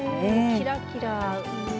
キラキラ。